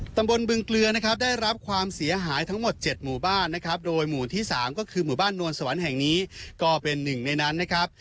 ตำบลบึงเกลือนะครับได้รับความเสียหายทั้งหมด๗หมู่บ้านนะครับโดยหมู่ที่๓ก็คือหมู่บ้านนวลสวรรค์แห่งนี้ก็เป็นหนึ่งในนั้นนะครับ